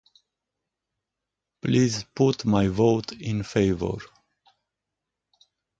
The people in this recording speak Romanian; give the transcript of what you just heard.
Please put my vote in favour.